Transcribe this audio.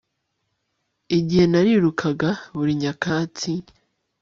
Igihe narirukaga kuri nyakatsi